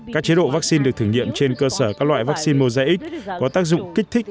các chế độ vaccine được thử nghiệm trên cơ sở các loại vaccine mozax có tác dụng kích thích